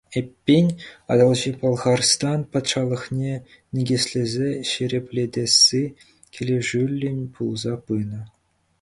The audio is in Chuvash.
Эппин, Атӑлҫи Пӑлхарстан патшалӑхне никӗслесе ҫирӗплетесси килӗшӳллӗн пулса пынӑ.